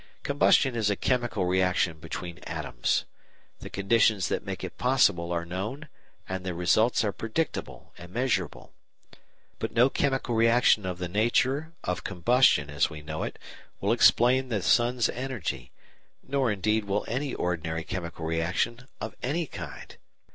Combustion is a chemical reaction between atoms. The conditions that make it possible are known and the results are predictable and measurable. But no chemical reaction of the nature of combustion as we know it will explain the sun's energy, nor indeed will any ordinary chemical reaction of any kind.